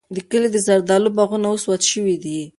د کلي د زردالیو باغونه اوس وچ شوي دي.